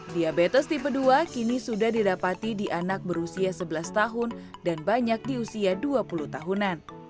diabetes tipe dua kini sudah didapati di anak berusia sebelas tahun dan banyak di usia dua puluh tahunan